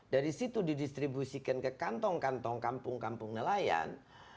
dari situ didistribusikan ke kantong kantong kampung kampung nelayan